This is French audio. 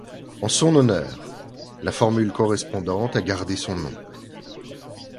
En son honneur, la formule correspondante a gardé son nom.